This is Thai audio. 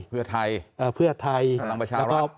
เพื่อไทยเออเพื่อไทยพลังประชารัฐ